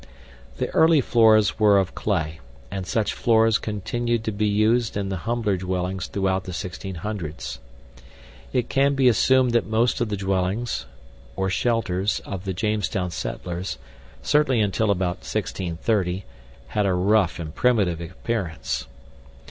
The early floors were of clay, and such floors continued to be used in the humbler dwellings throughout the 1600's. It can be assumed that most of the dwellings, or shelters, of the Jamestown settlers, certainly until about 1630, had a rough and primitive appearance.